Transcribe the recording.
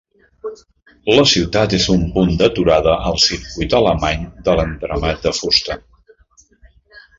La ciutat és un punt d'aturada al circuit alemany de l'entramat de fusta.